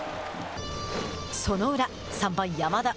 その裏３番山田。